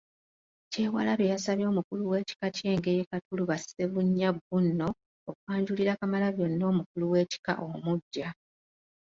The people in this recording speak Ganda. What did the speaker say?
Kyewalabye yasabye omukulu w’ekika ky’Engeye Katuluba Ssebunya Bbuno, okwanjulira Kamalabyonna omukulu w’ekika omuggya.